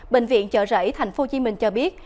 bệnh viện chợ rẫy thành phố hồ chí minh cho biết